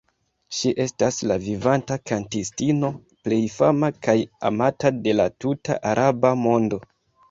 Ŝi estas la vivanta kantistino plej fama kaj amata de la tuta Araba mondo.